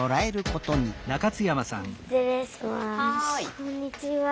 こんにちは。